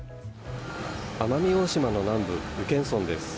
奄美大島の南部宇検村です。